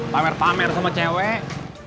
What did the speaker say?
pamer pamer sama cewek